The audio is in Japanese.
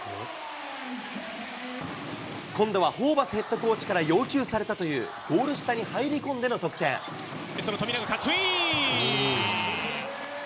今度はホーバスヘッドコーチから、要求されたというゴール下に入り富永、カットイン。